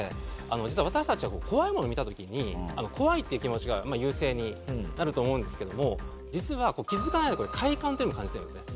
実は私たちは怖いものを見た時に怖いっていう気持ちが優勢になると思うんですけども実は気づかないところで快感っていうのも感じてるんですね。